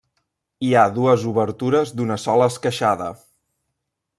Hi ha dues obertures d'una sola esqueixada.